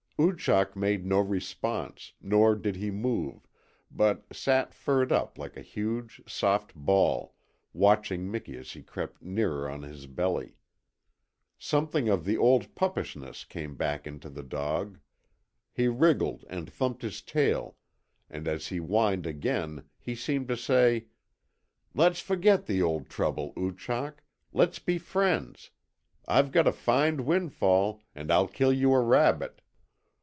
Oochak made no response, nor did he move, but sat furred up like a huge soft ball, watching Miki as he crept nearer on his belly. Something of the old puppishness came back into the dog. He wriggled and thumped his tail, and as he whined again he seemed to say. "Let's forget the old trouble, Oochak. Let's be friends. I've got a fine windfall and I'll kill you a rabbit."